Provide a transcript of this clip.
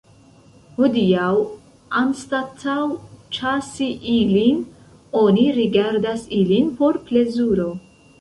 Hodiaŭ, anstataŭ ĉasi ilin, oni rigardas ilin por plezuro.